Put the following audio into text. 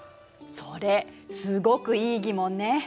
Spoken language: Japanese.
それすごくいい疑問ね。